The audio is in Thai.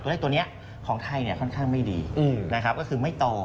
ตัวเลขตัวนี้ของไทยค่อนข้างไม่ดีนะครับก็คือไม่โต